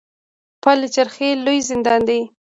پل چرخي لوی زندان دی